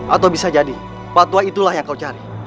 atau bisa jadi pak tua itulah yang kau cari